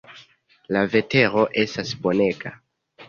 La vetero estas bonega.